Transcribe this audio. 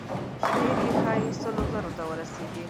شمېر یې ښایي سلو زرو ته ورسیږي.